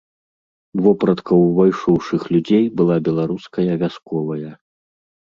Вопратка ўвайшоўшых людзей была беларуская вясковая.